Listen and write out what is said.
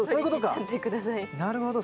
なるほど。